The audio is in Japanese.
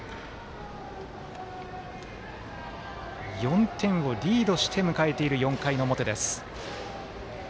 ４点をリードして迎えている４回の表です。